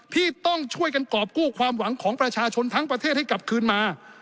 ที่ต้องช่วยกันกรอบกู้ความหวังของประชาชนทั้งประเทศให้กลับคืนมา